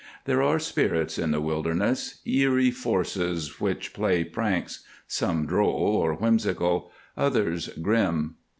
There are spirits in the wilderness, eerie forces which play pranks; some droll or whimsical, others grim.